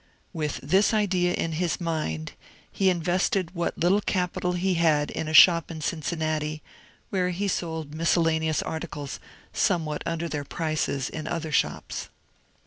With this idea in his mind, he invested what little capital he had in a shop in Cincinnati, where he sold miscellaneous arti cles somewhat under their prices in other shops.